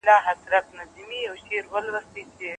د لنډې کاري اونۍ ازموینه د خلکو خوښي زیاتوي.